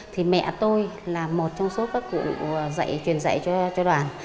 thì mẹ tôi là một trong số các cụ dạy truyền dạy cho đoàn